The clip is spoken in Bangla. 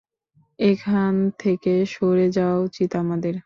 এখান থেকে সরে যাওয়া উচিত আমাদের!